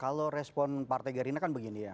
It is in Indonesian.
kalau respon partai gerindra kan begini ya